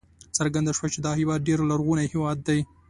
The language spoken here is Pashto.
څرګنده شوه چې دا هېواد ډېر لرغونی هېواد دی.